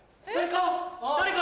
誰か！